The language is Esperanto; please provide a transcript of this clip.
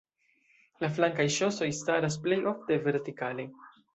La flankaj ŝosoj staras plej ofte vertikale.